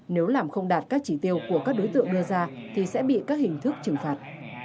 nếu làm không đạt các chỉ tiêu của các đối tượng đưa ra thì sẽ bị các hình thức trừng phạt